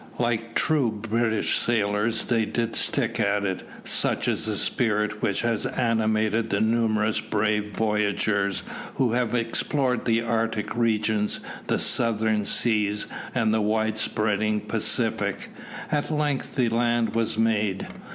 Like true British sailors they did stick at it. Such is the spirit which has animated the numerous brave voyagers who have explored the arctic regions, the southern seas, and the wide spreading Pacific. At length the land was made.